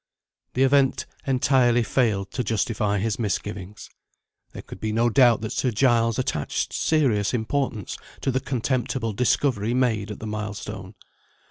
The event entirely failed to justify his misgivings. There could be no doubt that Sir Giles attached serious importance to the contemptible discovery made at the milestone.